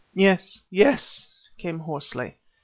"Yes, yes!" came hoarsely.